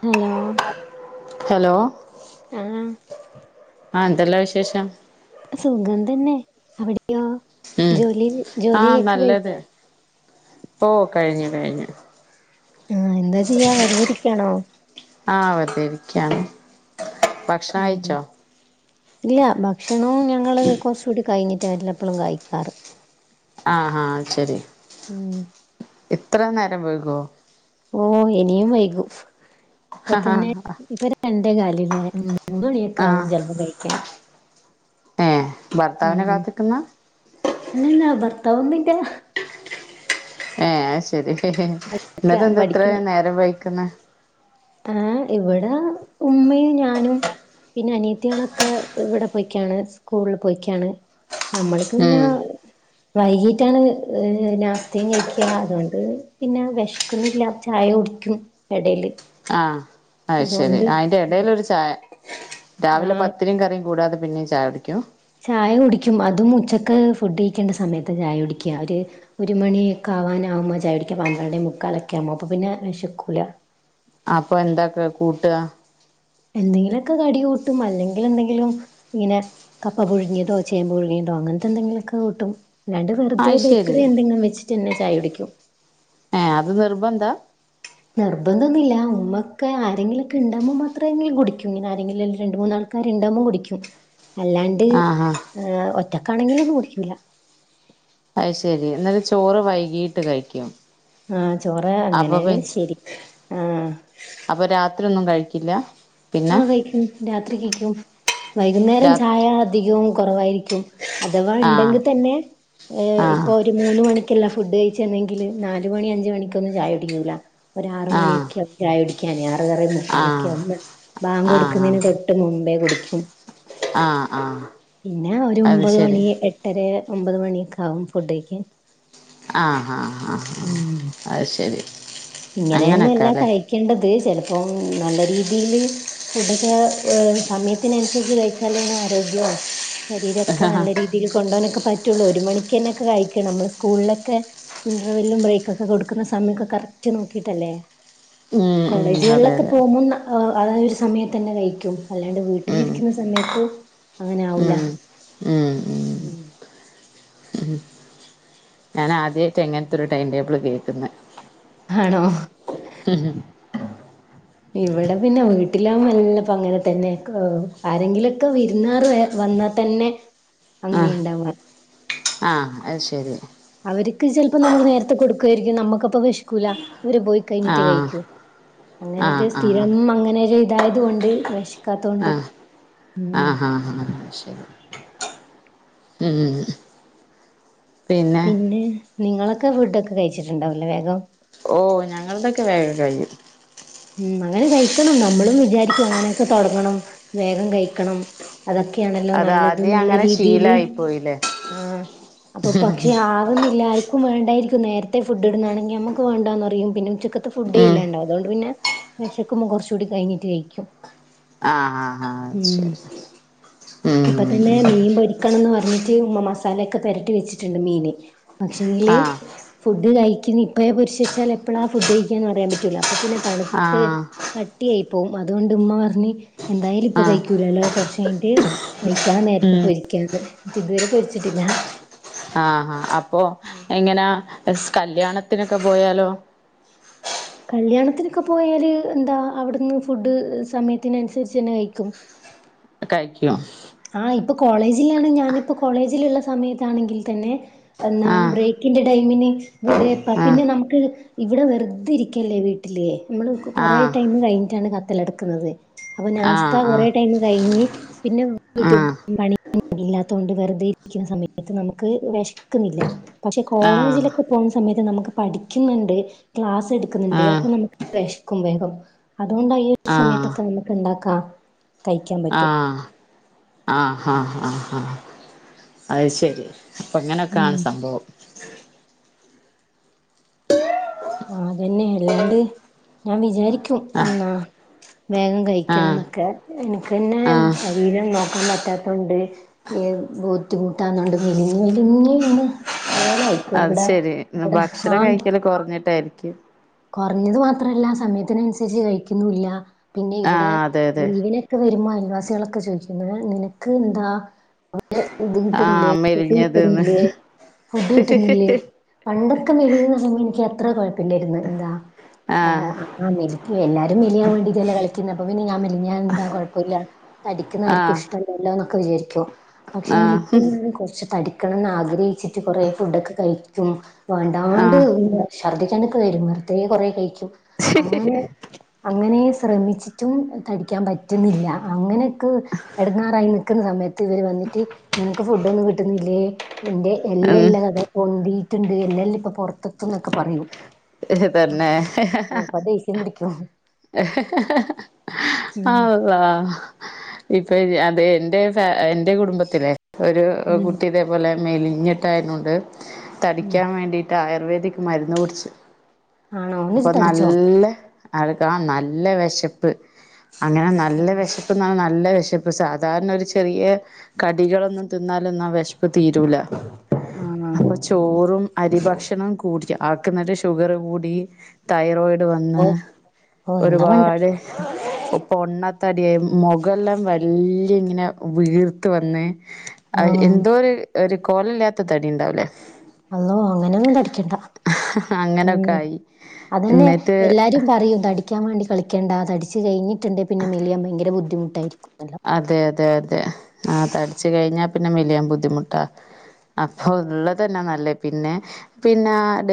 Hello hello ആഹ് ആ ന്തല്ലാ വിശേഷം സുഖം തന്നെ അവിടെയൊ ഉം ജോലി ജോലിക്ക കഴിഞ്ഞ ഓഹ് കഴ്‌ഞ്ഞു, കഴ്‌ഞ്ഞു. ആഹ് എന്താ ചെയ്യാ വെറുതെ ഇരിക്കാണോ? ആഹ് വെർതെരിക്കാണ്. ബഗ് ഉം ഉം ഇല്ല ഭക്ഷണോം ഞങ്ങൾ കൊർചൂടി കഴിഞ്ഞിട്ട എല്ലപ്പഴും കഴിക്കാറ്. ആഹ് അഹ് ശെരി. ഉം ഇത്രേ ന്നേരംവെയ്കോ? ഓഹ് ഇനിയും വൈകും ഇപ്പതന്നെ ഇപ്പൊ രണ്ടേ കാല് ലേ ഉം. മൂന്ന് ആ മണിയൊക്കാവും ചെൽപ്പം കഴിക്കാൻ. ഏ ഭർത്താവിനെ കാത്ത്ക്ക്ന്ന? അല്ലല്ലാ ഭർത്താവൊന്നില്ല. ഏഹ് അഹ് ശെരി പഠിക്ക ഇന്നെട്ടെന്താ പഠിക്കുന്ന ഇത്രേം ന്നേരം വൈകിക്കുന്നെ? ഏഹ് ഇവിടെ ഉമ്മിഞാനും പിന്നെ അനീത്തികളൊക്കെ ഇവടെ പോയ്ക്കാണ് സ്കൂളിൽ പോയിക്കാണ്. ഞമ്മൾക്ക്ന്നെ ഉം വൈകിട്ടാണ് ഏഹ് നാസ്തിം കഴിക്ക അതുകൊണ്ട് പിന്നെ വെഷ്ക്കുന്നില്ല ചായ കുടിക്കും എടേല്. ആഹ് അത് ശെരി അയിന്റെ എടേലൊരു ചായ രാവിലെ ആഹ് പത്തിരിം കറിം കൂടാതെ പിന്നിം ചായകുടിക്കും ചായ കുടിക്കും അതും ഉച്ചക്ക് ഫുഡ് കഴിക്കേണ്ട സമയത്താചായ കുടിക്ക ഒര് ഒര് മണിക്കെ ആവാനാവുമ്പോ ചായ കുടിക്കും പന്ത്രണ്ട് മുക്കാലൊക്കെ ആവുമ്പോ അപ്പൊ പിന്നെ വെഷക്കൂല. അപ്പൊ എന്തൊക്കെ കൂട്ടാ എന്തെങ്കിലൊക്കെ കടി കൂട്ടും അല്ലെങ്കിൽ എന്തെങ്കിലും ഇങ്ങനെ കപ്പ പുഴുങ്ങിയതോ ചേമ്പ് പുഴുയതോ അങ്ങൻത്തെ എന്തെങ്കിലുമൊക്കെ കൂട്ടും. അല്ലാണ്ട് വെർതെ അത് ശരി ബേക്കറി എന്തെങ്കിലും വെച്ചിട്ടെ ന്നെ ചായ കുടിക്കും. ഏഹ് അത് നിർബന്ധാ? നിർബന്ധൊന്നുമില്ല ഉമ്മക്കെ ആരെങ്കിലൊക്കെ ഇണ്ടാമ്പോൾ മാത്രമേെങ്കിലും കുടിക്കും ഇങ്ങനെ ആരെങ്കിലും രണ്ട് മൂന്നാൾ ക്കാര് ഇണ്ടാവുമ്പോകുടിക്കും. [inaudible] അല്ലാണ്ട് ആഹാ ഏ ഒറ്റക്കാണെങ്കിലൊന്നും കുടിക്കൂല. അഹ് ശെരി ഇന്നെട്ട് ചോറ് വൈകീട്ട് കഴിക്കും. ആഹ് ചോറ് അപ്പൊ പി അങ്ങനെങ്കി ശെരി ആഹ്. അപ്പൊ രാത്രി ഒന്നും കഴിക്കില്ല. പിന്നെ ആഹ് കഴിക്കും രാത്രി കഴിക്കും വൈകുന്നേരം രാ ചായ അധികം കുറവായിരിക്കും. അഥവാ ആഹ് ഇണ്ടെങ്കി തെന്നെ ആഹ് ഇപ്പോ ഒര് മൂന്ന് മണിക്കല്ല ഫുഡ് കഴിച്ചെന്നെങ്കില് ന്നാല് മണി അഞ്ചുമണിക്കൊന്നും ചായകുടിക്കൂല. ഒര് ആർ ആഹ് മണിയൊക്കെ ആകും ചായ കുടിക്കാന് ആർ ആറേ ആഹ് മുക്കാലൊക്കെവും ബാങ്ക് ആഹ് കൊടുക്കുന്നതിനെ തൊ ട്ട് മുമ്പേ കുടിക്കും. ആഹ്, ആഹ്. പിന്നെ അത് ഒര്ഒമ്പത് ശരി മണി എട്ടെര ഒമ്പത് മണിയൊക്കെ ആകും ഫുഡയ്ക്കാൻ. ആഹ്, ആഹ ആഹ്, അത് ശെരി. ഇങ്ങനെയൊന്നുംഅല്ല കഴിക്കേണ്ടത് ചിലപ്പോം ന്നല്ലെ രീതിയില് ഫുഡൊക്കെ ഹ് സമയത്തിനനുസരിച്ച് കഴിച്ചാലെ ആരോഗ്യവും ശരീരമൊക്കെ ന്നല്ലെ രീതി രീതിയില് കൊണ്ടോവാനൊക്കെ പറ്റൊള്ളൂ ഒരു മണിക്കെന്നെ ഒക്കെ കഴിക്കണം ന്നമ്മൾ സ്കൂളിലൊക്കെ ഇന്റർവെല്ലും ബ്രേക്കൊക്കെ കൊടുക്കുന്ന സമയമൊക്കെ കറക്റ്റ് നോക്കിട്ടല്ലേ? ഉം ഉം അതെ കോളേജുകളിലൊക്കെ അതെ പോക്മ്പോ ന്ന ആഹ് അതൊരു സമയത്ത് തെന്നെ കഴിക്കും അല്ലാണ്ട് ഉം വീട്ടിലിരിക്കുന്ന സമയത്ത് അങ്ങനെ ഉം ആവൂല. ഉം ഉം ഉം. ഞാനാദ്യയിട്ട ഇങ്ങൻത്തൊരു ടൈംടേബിൾ കേൾക്കുന്നേ ആണോ? മ് ഇവിടെ പിന്നെ വീട്ടിലാമ്പം എല്ലാ അങ്ങനെ തന്നെ ക്ക് ആരെങ്കിലൊക്കെ വിരുന്നാർ വേ വന്നാ ത്തന്നെ ആഹ് അങ്ങനെയുണ്ടാവ ആഹ് അത് ശരി. അവർക്ക് ചെലപ്പോ നമ്മൾ നേരത്തെ കൊടുക്കുവായിരിക്കും നമ്മുക്കപ്പം വെഷക്കൂല അവര് പോയി കഴിഞ്ഞിട്ട് ആഹ് കഴിക്കു അങ്ങനെ ആഹ് ഒരു ആഹ് സ്ഥിരം അങ്ങനെ ഒരു ഇതായത് കൊണ്ട് വെശക്കാത്തോണ്ട് ആഹ് ആഹ് ഹാ- ഹാ ശരി ഉം ഉം ഉം പിന്നെ നിങ്ങളൊക്കെ ഫുഡൊക്കെ കഴിച്ചിട്ടുണ്ടാവല്ലേ വേഗം ഓ ഞ ങ്ങൾടെക്കെ വേഗം കഴിയും. ഉം അങ്ങനെ കഴിക്കണം നമ്മളും വിചാരിക്കും അങ്ങനെയൊക്കെ തൊടങ്ങണം വേഗം കഴിക്കണം അതൊക്കെയാണല്ലോ അത് നല്ലത് ആദ്യം ന്നുള്ള അങ്ങനെ രീതിയില്. ശീലായി പോയില്ലേ ആഹ് അപ്പൊ പക്ഷെ ആകുന്നില്ലാര് ക്കും വേണ്ടായിരിക്കും നേരത്തെ ഫുഡ് ഇടുന്നാണെങ്കി നമുക്ക് വേണ്ടാന്നറിയും പിന്നെ ഉച്ചക്കത്തെ ഫുഡേ ഉം ഇല്ലാണ്ടാവും അതോണ്ട് പിന്നെ വെശക്കുമ്പോ കൊറച്ച് കൂടി കഴിഞ്ഞിട്ട് കഴിക്കും. ആഹ് ആഹ് ആഹ് ശരി ഇപ്പ ഉം തന്നെ മീൻ പൊരിക്കണംന്ന് പറഞ്ഞിട്ട് ഉമ്മ മസാലയൊക്കെ പെരട്ടി വെച്ചിട്ടുണ്ട് മീന്. പക്ഷെങ്കില് ആഹ് ഫുഡ് കഴിക്കുന്ന് ഇപ്പഴേ പൊരിച്ച് വെച്ചാൽ എപ്പഴാ ഫുഡ് കഴിക്കാന്ന് പറയാൻ പറ്റൂല അപ്പൊ പിന്നെ തണ് ത്ത് ആഹ് കട്ടിയായി പോവും. അതുകൊണ്ട് ഉമ്മ പറഞ്ഞ് എന്തായാലും ഇപ്പ ആഹ് കഴിക്കൂലല്ലോ കൊറച്ച് കഴിഞ്ഞിട്ട് കഴിക്കാൻ നേരത്ത് പൊരിക്കാന്ന്. ന്ന്ട്ടിതുവരെ പൊരിച്ചിട്ടില്ലാ. ആഹ് ഹാ അപ്പോ എങ്ങനാ സ്കല്യാണത്തിനൊക്കെ പോയാലോ. കല്യാണത്തിനൊക്കെ പോയാല് എന്താ അവിടുന്ന് ഫുഡ് സമയത്തിനൻസരിച്ചെന്നെ കഴിക്കും. കഴിക്കും. ആഹ് ഇപ്പൊ കോളേജിലാണ് ഞാനിപ്പോ കോളേജിലുള്ള സമയത്താണെങ്കിൽ തന്നെ എന്നാ ആഹ് ബ്രേക് കിന്റെ ടൈമിന് ഇവിടെ പ ആഹ് പിന്നെ നമുക്ക് ഇവിടെ വെറുതെ ഇരിക്കല്ലേ വീ ട്ടില് നമ്മള് കൊ കൊറേ ആഹ് ടൈം കഴിഞ്ഞിട്ടാണ് കത്തല്ല എടുക്കുന്നത്. അപ്പൊ നാസ്ത ആഹ് കൊറെ ടൈം കഴിഞ്ഞ് പിന്നൊ വീട്ടി ആഹ് പണിയൊന്നും ഇല്ലാത്തോണ്ട് വെറുതെ ഇരിക്കുന്ന സമയത്ത് നമുക്ക് വെശ്ക്കുന്നില്ല. പക്ഷെ ആഹ് കോളേജിലൊക്കെ പോവ്ന്ന സമയത്ത് നമുക്ക് പഠിക്ക്ന്ന്ണ്ട്. ക്ലാസെട്ക്ക്ന്ന്ണ്ട് അപ്പം നമുക്ക് വെശ്ക്കും വേഗം. അതുകൊണ്ടാ ഈ ഒരു ആഹ് ആഹ് ആഹ് സമയത്തൊക്കെ നമുക്ക് ണ്ടാക്കാ. ആഹ് ആഹ് ഹാ ഹാ ഹാ അയ് ശരി. അപ്പൊ ഇങ്ങനൊക്കാണ് ഉം സംഭവം. ആഹ് അതന്നെ എല്ലാണ്ട് ഞാൻ വിചാരിക്കും ആ എന്നാ വേഗം ആ കഴിക്കണംന്നൊക്കെ എനിക്ക് തന്നെ ആ ശരീരം നോക്കാൻ പറ്റാത്തോണ്ട് ഏഹ് ബുദ്ധിമുട്ടാന്നൊണ്ട് മെലിഞ്ഞ് മെലിഞ്ഞ് ങ്ങ് കോലായി ഇപ്പം. ഇവിടെ ഇവിടെ ആഹ് കൊർഞ്ഞിട്ടായിരിക്കും. കൊറഞ്ഞത് മാത്രവല്ല സമയത്തിനനുസരിച്ച് കഴിക്കുന്നൂ ഇല്ല. പിന്നെ ആ ഇവിടെ അതെ അതെ ലീവിന് ക്കെ വരുമ്പോ അയൽവാസ്യേളൊക്കെ ചോദിക്കും ന്ന് നിനക്ക് ന്താ അവിടെ ഇത് ആ കിട്ടുന്നില്ലേ ഫുഡ് മെലിഞ്ഞത്ന്ന് കിട്ടുന്നില്ലേ ഫുഡ് കിട്ടുന്നില്ലേ പണ്ടൊക്കെ മെലിഞ്ഞ് ന്ന് പറയുമ്പം എനിക്ക് അത്ര കൊഴപ്പല്ലേര്ന്ന്. എന്താ ആ ഏഹ് ആഹ് മെലിക്ക് എല്ലാരും മെലിയാൻ വേണ്ടീട്ടല്ലേ കളിക്കുന്നെ അപ്പ പിന്നെ ഞാൻ മെലിഞ്ഞാലെന്താ കൊഴപ്പയില്ല. തടിക്കുന്ന ആ ആര്ക്കും ഇഷ്ടല്ലല്ലോ എന്നൊക്കെ വിചാരിക്കും ആ പക്ഷെങ്കിൽ ഇപ്പം ഞാന് കൊറച്ച് തടി ക്കണംന്ന് ആഗ്രഹിച്ചിട്ട് കൊറേ ഫുഡൊക്കെ കഴിക്കും. ആ വേണ്ടാണ്ട് [unintelligible] ഛർദ്ദിക്കാനൊക്കെ വരും വെറുതെ കൊറെ കഴിക്കും. അങ്ങനെ അങ്ങനേ ശ്രമിച്ചിട്ടും തടിക്കാൻ പറ്റുന്നില്ല. അങ്ങനെയൊക്ക് എടങ്ങാറായി നിക്കുന്ന സമയത്ത് ഇവര് വന്നിട്ട് നിനക്ക് ഫുഡോന്നും കിട്ടുന്നില്ലേ നിന്റെ ഉം എല്ലെല്ലാം ഇതാ പൊന്തീട്ടുണ്ട് എല്ലെല്ലാം ഇപ്പൊ പൊറത്തെത്തുംന്നൊക്കെ പറയും. എഹ് തന്നെ. ദേസ്യം പിടിക്കും. ഉം ആ ളളാഹ്. ഇപ്പൊ അതെ എന്റെ ഫ എന്റെ കുടുംബത്തിലെ ഒരു ഉം കുട്ടി ഇതേപോലെ മെലിഞ്ഞിട്ടായിരുന്നോണ്ട് ഉം തടിക്കാൻ വേണ്ടി ട്ടായുർവേദിക് മരുന്ന് കുടിച്ച്. ആണോ എന്നിട്ട് അപ്പം തടിച്ചോ? നല്ല ആൾക്കാണെ നല്ല വെശപ്പ് അങ്ങനെ നല്ല ഉം വെശ പ്പന്നാണ് നല്ല വെശപ്പ്. സാധാരണ ഒരു ചെറിയ. കടികളൊന്നും തിന്നാലൊന്നും ആ വെശപ്പ് തീരൂല. ആഹ്. അപ്പൊ ചോറും അരി ഭക്ഷണം കൂടിറ്റ് ആക്ക്‌ന്നലെ ഷുഗറ് കൂടി. തൈറോയിഡ് വന്ന് ഒരുപാട്. ഉം പൊണ്ണത്തടിയായി മുഖല്ലാം വല്യ ഇങ്ങനെ വീർത്ത് വന്ന്. ആ ഉം എന്തോ ഒര് ഒരു കോല ഇല്ലാത്ത തടി ഇണ്ടാവൂലേ. അള്ളോ അങ്ങനൊന്നും തടിക്കണ്ട. അങ്ങനൊക്കെ ഉം ആയി അതന്നെ എന്നിട്ട് എല്ലാരും പറയും തടി. തടിക്കാൻ വേണ്ടി കളിക്കണ്ട തടിച്ച് കഴിഞ്ഞ്ട്ട്ണ്ടെ പിന്നെ മെലിയാൻ ഭയങ്കര ബുദ്ധിമുട്ടായിരിക്കും. നല്ല അതെ, അതെ, അതെ ആഹ് തടിച്ച് കഴിഞ്ഞാ പിന്നെ മെലിയാൻ ബുദ്ധിമുട്ടാ. അപ്പോ ഉള്ളത് ന്ന നല്ലെ പിന്നെ. പിന്നെ ഡ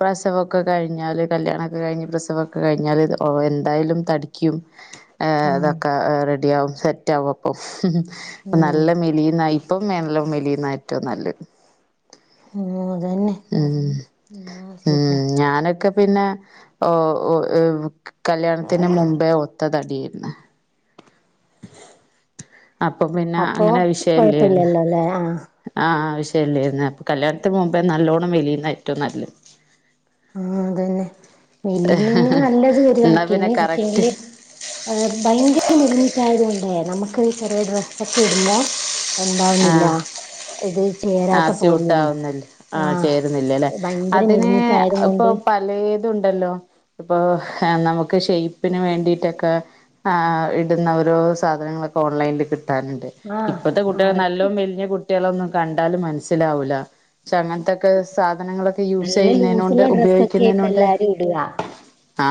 പ്രസവോക്കെ കഴിഞ്ഞാല് കല്യാണോക്കെ കഴിഞ്ഞ് പ്രസവോക്കെ കഴിഞ്ഞാലിത്. ഓ എന്തായാലും തടിക്കും. ആ ആഹ് അതൊക്കെ റെഡിയാവും സെറ്റാവും അപ്പം ഉം നല്ല മെലിയുന്നയി. ഇപ്പം മെനലാവും മെലിയുന്ന ഏറ്റവും നല്ലത്. ഉം അതന്നെ ഉം എന്നാ ഉം ശരിയാ. ഞാനൊക്കെ. പിന്നെ ഓ ഒ കല്യാണത്തിന് മുമ്പേ ഒത്തതടിയിരുന്നു. അപ്പൊ പിന്നെ അപ്പൊ അങ്ങനെ വിഷയല്ലേരുന്നു. കൊഴപ്പില്ലല്ലോ അല്ലേ ആഹ് ആഹ് ആവശ്യംല്ലുന്ന് അപ്പൊ കല്യാണത്തിന് മുമ്പേ നല്ലോണ്ണം മെലിയുന്ന ഏറ്റവും നല്ലത്. ആഹ് അതന്നെ മെലിന്നന്നെയ നല്ലത് ഒര് എന്നാ പിന്നെ കണക്കിന് കറക്റ്റ് പക്ഷെങ്കില്. ഭയങ്കര മെലിഞ്ഞിറ്റായത് കൊണ്ടേ നമുക്ക് ചെറിയ ഡ്രസ്സൊക്കെ ഇടുമ്പോ. എന്താവുന്നില്ല ഇത് ചേ ആ സ്യൂട്ടാവുന്നിണ്ട് ആ ചേരുന്നില്ലേ അല്ലേ ഭയങ്കര അതിന് മെലിഞ്ഞിട്ടായത് ഇപ്പൊ കൊണ്ട് പ പലേതുണ്ടല്ലോ ഇപ്പൊ നമുക്ക് ഷെയ്പ്പിന് വേണ്ടിട്ടൊക്കെ. ആ ഇടുന്ന ഓരോ സാധനങ്ങളക്കെ ഓൺലൈനിൽ കിട്ടാനുണ്ട്. ആഹ് ഇപ്പത്തെ കുട്ടികൾ അവർക്ക് നല്ലോ മെലിഞ്ഞ കു കുട്ട്യോളൊന്നും കണ്ടാലും മനസിലാവുല. പക്ഷെ അങ്ങനത്തൊക്കെ സാധനങ്ങള്. യൂസ് നല്ല ചെയ്യുന്നെനൊണ്ട്, ലൂസുള്ള ഡ്രസ്സൊക്കെയാ ഇപ്പ ഉപയോഗിക്കുന്നെനൊണ്ട് ആ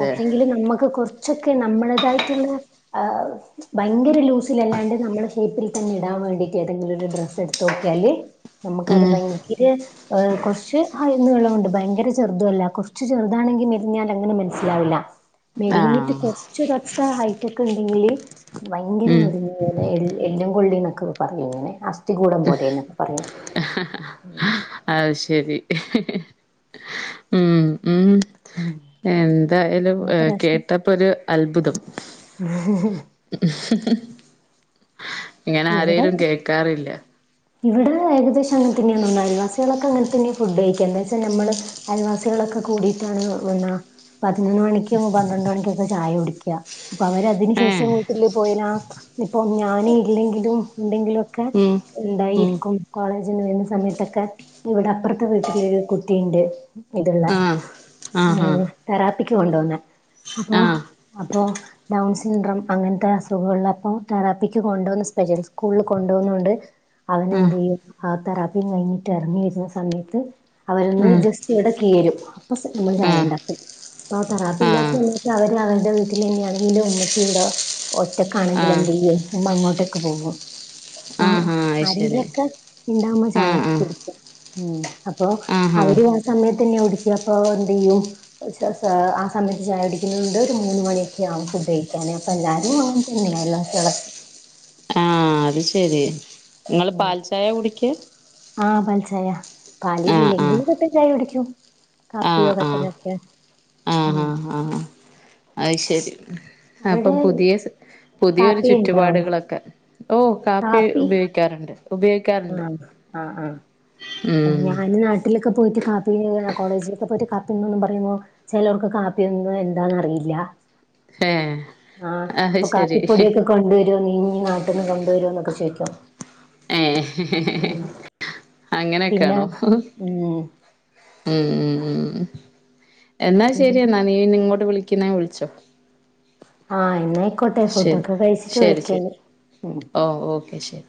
പക്ഷെങ്കിലും നമുക്ക് കുറച്ചൊക്കെ നമ്മളേതായിട്ടുള്ള ആ ഭയങ്കര ലൂസിലല്ലാണ്ട് നമ്മുടെ ഷേപ്പിൽ തന്നെ ഇടാൻ വേണ്ടിയിട്ട് ഏതെങ്കിലും ഒരു ഡ്രസ്സ് എടുത്തോക്കിയാല്. നമുക്കത് ഉം ഭയങ്കര. ഏ കുറച്ച് ഹൈന്നീളോണ്ട് ഭയങ്കര ചെറുതുഅല്ല കുറച്ച് ചെറുതാണെങ്കി മെലിഞ്ഞാലങ്ങനെ മെലി മനസ്സിലാവില്ല മെലിഞ്ഞിട്ട് ആഹ് കൊർച്ചൊരൊത്ത ഹൈറ്റക്കെണ്ടെങ്കില്. ഭയങ്കര ഉം മെലിഞ്ഞിരുന്നാലേ എ എല്ലും കൊള്ളി എന്നൊക്കെ പറയും ഇങ്ങനെ അസ്ഥികൂടം പോലെ എന്നൊക്കെ പറയും. അത് ശരി. ഉം ഉ. എന്തായാലും ആ ഏ പ്രശ്നം കേട്ടപ്പോരു അത്ഭുതം. [unintelligible] ഇങ്ങനെ ആരേലും ഇവിടെ കേക്കാറില്ല. ഇവിടെ ഏകദേശ അങ്ങനെതന്നെയാണ് ഒന്ന് അയൽവാസികളക്കെങ്ങനെ തന്നെയ ഫുഡ് കഴിക്ക എന്താച്ചാ ഞമ്മള്. അയൽവാസികളൊക്കെ കൂടിയിട്ടാണ് വന്നാ. പതിനൊന്ന് മണിക്കും പന്ത്രണ്ട് മണിക്കൊക്കെ ചായ കുടിക്ക. അപ്പൊ അവരതിന് ശേഷം ഏഹ് വീട്ടില് പോയല ഇപ്പൊ ഞാന് ഇല്ലെങ്കിലും ഉണ്ടെങ്കിലും. ഒക്കെ ഉം ഉം ഉണ്ടായിരിക്കും. കോളേജിന്ന് വരുന്ന സമയത്തൊക്കെ ഇവിടെ അപ്പുറത്തെ വീട്ടിലൊരു കുട്ടിയുണ്ട്. ഇതുള്ള ആഹ് ഏ ആഹാ തെറാപ്പിക്ക് കൊണ്ട് പോന്നെ അപ്പോ. ആഹ് അപ്പോ ഡൗൺ സിൻഡ്രം അങ്ങനത്തെ അസുഖോള്ളപ്പോ തെറാപ്പിക്ക്. കൊണ്ടോവുന്ന സ്പെഷ്യൽ സ്കൂളിൽ കൊണ്ടോവുന്നോണ്ട് അവന് ആഹ് എന്ത് ചെയ്യും. ആ തെറാപ്പിയും കഴിഞ്ഞിട്ട് എറങ്ങി വരുന്ന സമയത്ത് അവരൊന്ന് ജസ്റ്റ് ഇവടെ കേറും. ഫസ്റ്റ് നമ്മള് ആഹ് ചായേണ്ടാക്കും. അപ്പ തറാപ്പില്ലാത്ത ആഹ് സമയത്ത് അവര് അവരുടെ വീട്ടിലന്നെയാണെങ്കിലും ഉമ്മച്ചീവിടോ. ഒറ്റക്കാണെങ്കില് എന്തെയ്യും ഉമ്മ അങ്ങോട്ടൊക്കെ പോകും അപ്പ ആഹ് ആഹ് ആഹാ അത് ശരി ആരെങ്കിലൊക്കെ. ഇണ്ടാവുമ്പോ ആഹ് ചായൊക്കെ ആഹ് കുടിക്ക ഉം അപ്പോ ആഹാ അവര് ഹ സമയത്തന്നെ ഓടിക്ക. അപ്പൊ എന്ത് ചെയ്യും? ഉച്ച സ, ആ സമയത്ത് ചായ കുടിക്കുന്ന കൊണ്ട് ഒരു മൂന്ന് മണിയൊക്കെയാവും ഫുഡ് കഴിക്കാന്. അപ്പൊ എല്ലാരും അ പിന്നെ അയൽവാസിളക്കെ. ആഹ് അത് ശരി ഇങ്ങള് ഉം പാൽചായെ കുടിക്ക. ആഹ് പാൽ ചായ. പാല് ആഹ് ആഹ് ഇല്ലെങ്കില് കട്ടൻ ചായ കുടിക്കൂ. കാപ്പിയോ കട്ടനൊക്കെ ഉം. ആഹ അയ് ശരി അപ്പം അവിടെ പുതിയ പുതിയൊരു കാപ്പി ഇണ്ടാവോ ചുറ്റുപാടുകളൊക്കെ. ഓ കാപ്പി ഉപയോഗിക്കാറുണ്ട്. ഉപയോഗി ആഹ്, ആഹ്, ആഹ്. ഉം ഞാന് നാട്ടിലൊക്കെ പോയിട്ട് കാപ്പീ കോളേജിലൊക്കെ പോയിട്ട് കാപ്പിനന്നൊന്നും പറയുമ്പോ. ചെലോർക്ക് കാപ്പിയൊന്നും എന്താന്നറിയില്ല. ഏ ആഹ് അത് ഇപ്പൊ ശരി കാപ്പി പൊടിയൊക്കെ. കൊണ്ട് വരുവോ നീ ഇഞ്ഞി നാട്ടിന്ന് കൊണ്ടുവരോന്നൊക്കെ ചോയിക്കോ. ഏ പിന്നെ അങ്ങനെയൊക്കെയാണോ. ഉം ഉം ഉം എന്നാ പിന്നെ ശരിയെന്നാ നീ ഇനി ഇങ്ങോട്ട് വിളിക്കുന്നെ വിളിച്ചോ. ആഹ് എന്നയിക്കോട്ടെ ശരി ഫുഡൊക്കെ കഴിച്ചിട്ട് ശരി ശരി വിളിക്കഇനി ഉം. ഓ ഓക്കെ ശരി